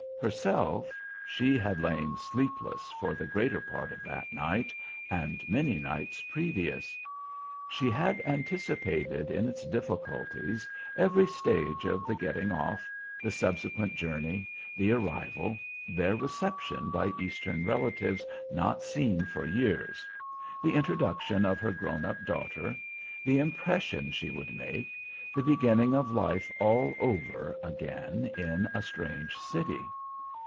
Herself she had lain sleepless for the greater part of that night and many nights previous. She had anticipated in its difficulties every stage of the getting off, the subsequent journey, the arrival, their reception by Eastern relatives not seen for years, the introduction of her grown up daughter, the impression she would make, the beginning of life all over again in a strange city.